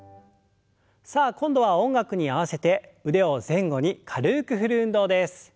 さあ今度は音楽に合わせて腕を前後に軽く振る運動です。